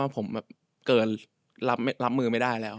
ผมแบบเกินรับมือไม่ได้แล้ว